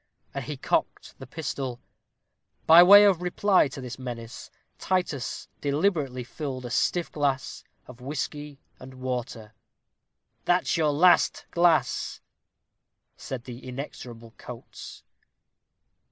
And he cocked the pistol. By way of reply to this menace, Titus deliberately filled a stiff glass of whisky and water. "That's your last glass," said the inexorable Coates.